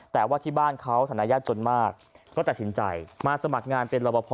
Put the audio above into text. แต่ว่าที่บ้านเขาฐานะยากจนมากก็ตัดสินใจมาสมัครงานเป็นรบพอ